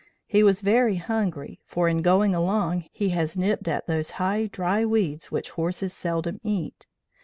He was very hungry, for, in going along, he has nipped at those high, dry weeds, which horses seldom eat.